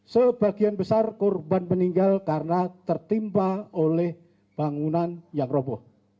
sebagian besar korban meninggal karena tertimpa oleh bangunan yang roboh